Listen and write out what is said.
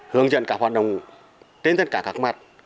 hướng dẫn các hoạt động trên tất cả các mặt